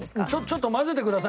ちょっと混ぜてくださいね